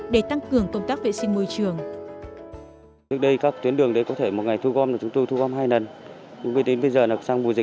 để tăng cường công tác vệ sinh môi trường